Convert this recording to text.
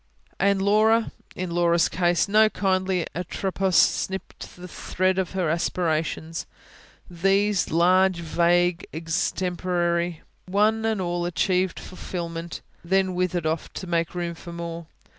And Laura? ... In Laura's case, no kindly Atropos snipped the thread of her aspirations: these, large, vague, extemporary, one and all achieved fulfilment; then withered off to make room for more.